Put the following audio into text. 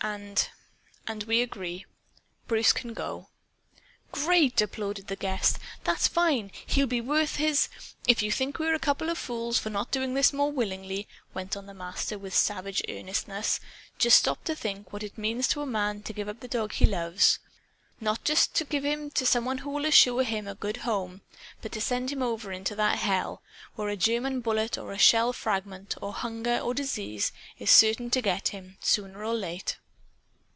And and we agree. Bruce can go." "Great!" applauded the guest. "That's fine! He'll be worth his " "If you think we're a couple of fools for not doing this more willingly," went on the Master with savage earnestness, "just stop to think what it means to a man to give up the dog he loves. Not to give him up to some one who will assure him a good home, but to send him over into that hell, where a German bullet or a shell fragment or hunger or disease is certain to get him, soon or late.